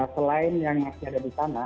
selain yang masih ada di sana